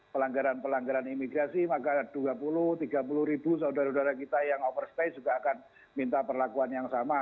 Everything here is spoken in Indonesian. pelanggaran pelanggaran imigrasi maka dua puluh tiga puluh ribu saudara saudara kita yang overstay juga akan minta perlakuan yang sama